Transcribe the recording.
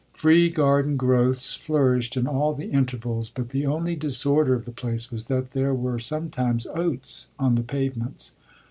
Free garden growths flourished in all the intervals, but the only disorder of the place was that there were sometimes oats on the pavements.